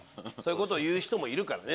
言う人もいるからね